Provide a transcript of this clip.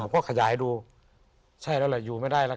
ก็ขยายดูใช่แล้วแหละอยู่ไม่ได้แล้ว